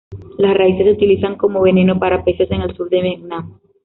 Las raíces se utilizan como veneno para peces en el sur de Vietnam.